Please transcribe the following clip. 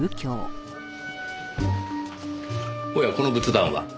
おやこの仏壇は？